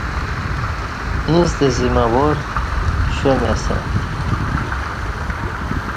ییݩستہ زمہ وار شا می اسݩع